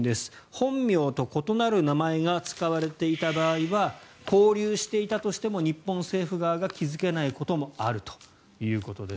本名と異なる名前が使われていた場合は拘留していたとしても日本政府側が気付けないこともあるということです。